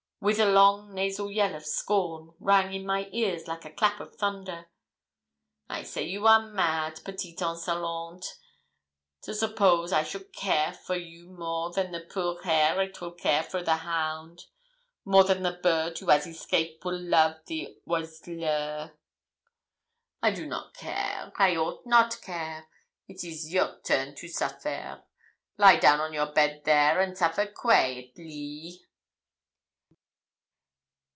with a long nasal yell of scorn, rang in my ears like a clap of thunder. 'I say you are mad, petite insolente, to suppose I should care for you more than the poor hare it will care for the hound more than the bird who has escape will love the oiseleur. I do not care I ought not care. It is your turn to suffer. Lie down on your bed there, and suffer quaitely.'